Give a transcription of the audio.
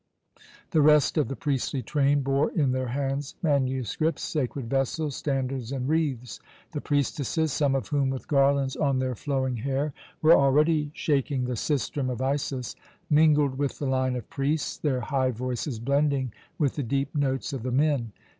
The rest of the priestly train bore in their hands manuscripts, sacred vessels, standards, and wreaths. The priestesses some of whom, with garlands on their flowing hair, were already shaking the sistrum of Isis mingled with the line of priests, their high voices blending with the deep notes of the men.